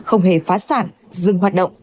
không hề phá sản dừng hoạt động